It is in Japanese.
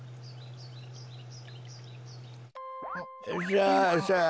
さあさあ